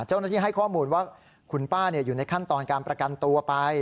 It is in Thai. ให้ข้อมูลว่าคุณป้าอยู่ในขั้นตอนการประกันตัวไป